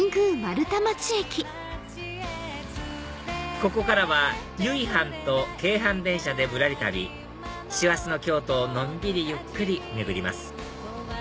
ここからはゆいはんと京阪電車でぶらり旅師走の京都をのんびりゆっくり巡ります